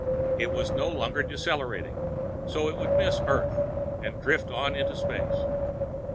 It was no longer decelerating, so it would miss Earth and drift on into space.